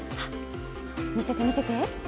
見せて見せて。